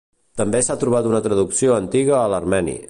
També s'ha trobat una traducció antiga a l'armeni.